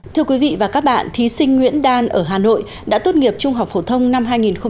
thưa quý vị và các bạn thí sinh nguyễn đan ở hà nội đã tốt nghiệp trung học phổ thông năm hai nghìn hai mươi